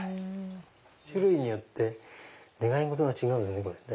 種類によって願い事が違うんですね。